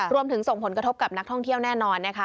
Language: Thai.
รวมถึงส่งผลกระทบกับนักท่องเที่ยวแน่นะครับ